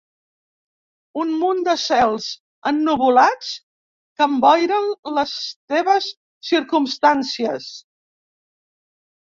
Un munt de cels ennuvolats que emboiren les teves circumstàncies.